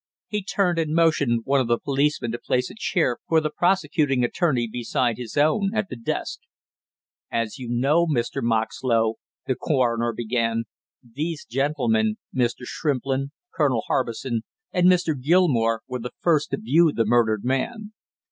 He turned and motioned one of the policemen to place a chair for the prosecuting attorney beside his own at the desk. "As you know, Mr. Moxlow," the coroner began, "these gentlemen, Mr. Shrimplin, Colonel Harbison and Mr. Gilmore, were the first to view the murdered man.